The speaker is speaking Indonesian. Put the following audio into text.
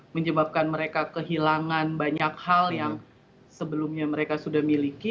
menyebabkan mereka kehilangan banyak hal yang sebelumnya mereka sudah miliki